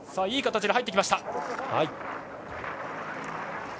いい形で入ってきました。